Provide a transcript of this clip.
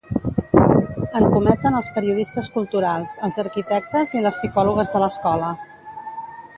En cometen els periodistes culturals, els arquitectes i les psicòlogues de l'escola.